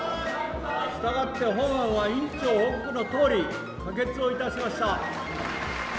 従って本案は委員長報告のとおり可決を致しました。